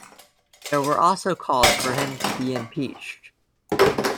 There were also calls for him to be impeached.